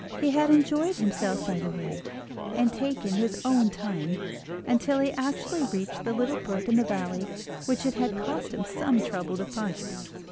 He had enjoyed himself by the way, and taken his own time, until he actually reached the little brook in the valley which it had cost him some trouble to find.